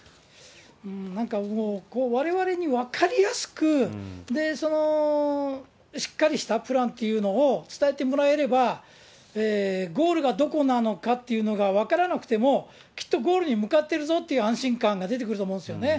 なんかもう、われわれに分かりやすく、しっかりしたプランっていうのを伝えてもらえれば、ゴールがどこなのかというのが分からなくても、きっとゴールに向かってるぞっていう安心感が出てくると思うんですよね。